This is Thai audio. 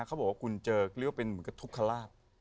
เขาบอกว่าคุณเจอกเรียกว่าเป็นกระทุบขลาด